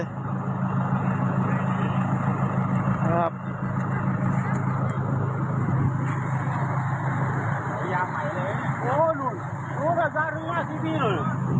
พยายามใหม่เลยโอ้โหนุ่นนุ่นก็จะรู้มากสิพี่นุ่น